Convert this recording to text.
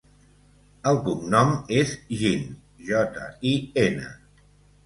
El cognom és Jin: jota, i, ena.